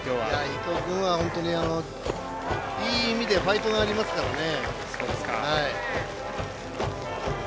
伊藤君はいい意味でファイトがありますからね。